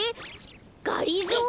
がりぞー